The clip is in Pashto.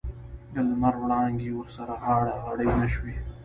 د لمر وړانګې ورسره غاړه غړۍ نه شوې.